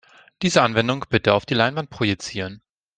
Diese Anwendung bitte auf die Leinwand projizieren.